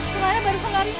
kemana barusan larinya